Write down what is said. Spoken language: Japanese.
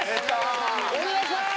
お願いします！